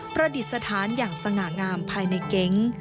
ประดิษฐานอย่างสง่างามภายในเก๋ง